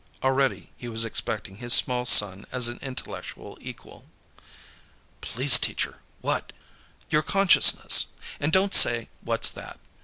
Already, he was accepting his small son as an intellectual equal. "Please, teacher; what?" "Your consciousness. And don't say, 'What's that?'